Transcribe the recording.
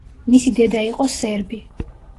მისი დედა იყო სერბი.